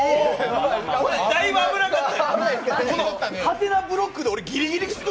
だいぶ危なかった。